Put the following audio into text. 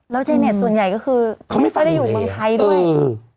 แล้วเจเน็ตส่วนใหญ่ก็คือเขาไม่ค่อยได้อยู่เมืองไทยด้วยอืม